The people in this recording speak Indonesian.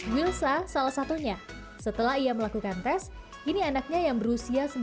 wilsa salah satunya setelah ia melakukan tes kini anaknya yang berusia